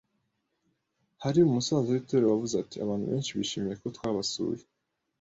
Hari umusaza w itorero wavuze ati abantu benshi bishimiye ko twabasuye